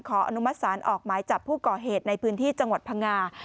อนุมัติศาลออกหมายจับผู้ก่อเหตุในพื้นที่จังหวัดพังงา